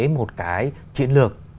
một cái chuyện lược